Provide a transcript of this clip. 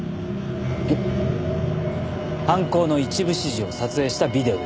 犯行の一部始終を撮影したビデオです。